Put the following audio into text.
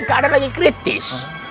keadaan lagi kritis